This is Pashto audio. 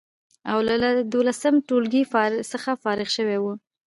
او له دولسم ټولګي څخه فارغ شوی و،